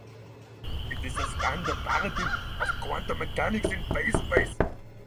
It is the standard paradigm of quantum mechanics in phase space.